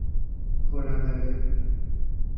خرمدره